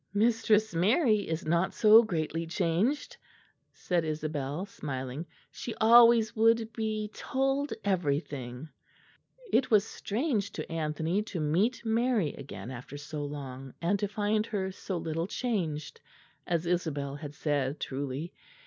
"Mistress Mary is not so greatly changed," said Isabel, smiling. "She always would be told everything." It was strange to Anthony to meet Mary again after so long, and to find her so little changed, as Isabel had said truly.